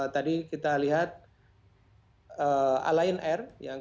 tadi kita lihat alain air